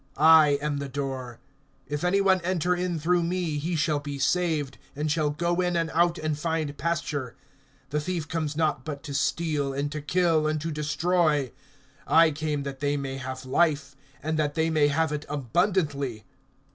(9)I am the door. If any one enter in through me, he shall be saved, and shall go in and out and find pasture. (10)The thief comes not but to steal, and to kill, and to destroy. I came that they may have life, and that they may have it abundantly.